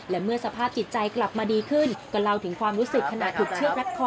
และเมื่อสภาพจิตใจกลับมาดีขึ้นก็เล่าถึงความรู้สึกขณะถูกเชือกรัดคอ